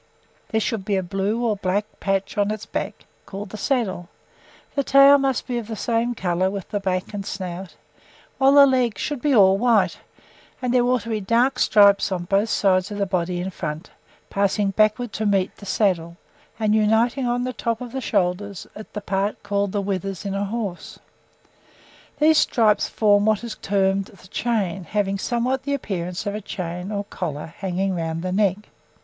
There should be a black or blue patch on its back, called the saddle; the tail must be of the same colour with the back and snout; while the legs should be all white; and there ought to be dark stripes on both sides of the body in front, passing backwards to meet the saddle, and uniting on the top of the shoulders at the part called the withers in a horse. These stripes form what is termed the 'chain' having somewhat the appearance of a chain or collar hanging round the neck."